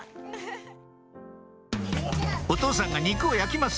お父さんが肉を焼きます